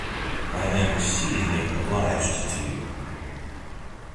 I am exceedingly obliged to you.